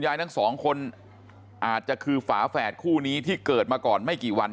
ทั้งสองคนอาจจะคือฝาแฝดคู่นี้ที่เกิดมาก่อนไม่กี่วัน